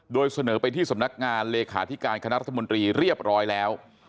โดยเสนอไปที่สำนักงานเลขาธิการคณะรัฐมนตรีเรียบร้อยแล้ว